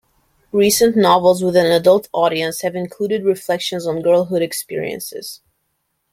Recent novels with an adult audience have included reflections on girlhood experiences.